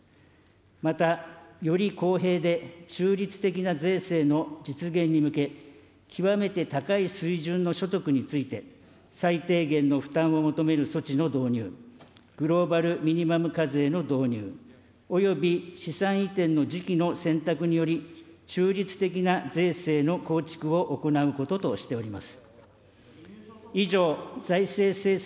また、より公平で中立的な税制の実現に向け、極めて高い水準の所得について、最低限の負担を求める措置の導入、グローバル・ミニマム課税の導入、および資産移転の時期の選択により中立的な税制の構築を行うこととしております。